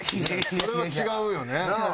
それは違うよね。